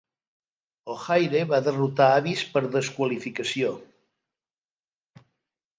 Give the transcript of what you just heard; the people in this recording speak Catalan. O'Haire va derrotar Abyss per desqualificació.